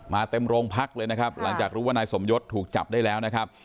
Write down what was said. เต็มโรงพักเลยนะครับหลังจากรู้ว่านายสมยศถูกจับได้แล้วนะครับ